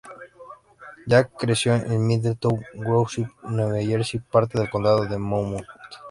Jack creció en Middletown Township, New Jersey, parte del condado de Monmouth.